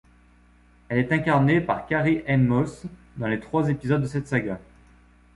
Elle est incarnée par Carrie-Anne Moss dans les trois épisodes de cette saga.